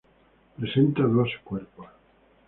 Presenta dos cuerpos.